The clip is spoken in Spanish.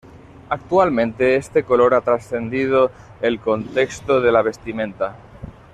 Actualmente este color ha trascendido el contexto de la vestimenta.